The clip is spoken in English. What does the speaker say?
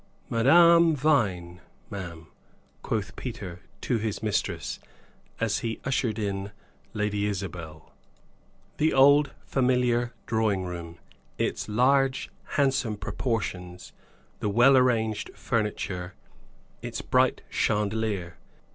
"Madame Vine, ma'am," quoth Peter to his mistress, as he ushered in Lady Isabel. The old familiar drawing room; its large handsome proportions, the well arranged furniture, its bright chandelier!